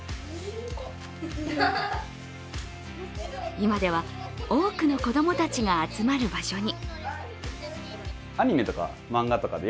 今では多くの子供たちが集まる場所に。